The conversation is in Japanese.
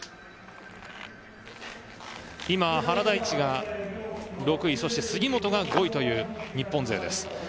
今、原大智が６位そして杉本が５位という日本勢です。